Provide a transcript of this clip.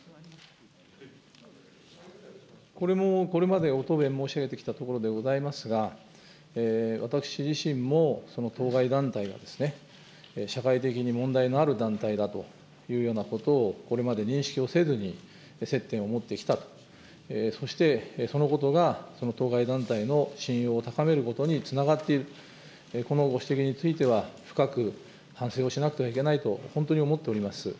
これもこれまでご答弁申し上げてきたところでございますが、私自身も、当該団体が社会的に問題のある団体だというようなことをこれまで認識をせずに接点を持ってきたと、そしてそのことがその当該団体の信用を高めることにつながっていると、このご指摘については、深く反省をしなくてはいけないと、本当に思っております。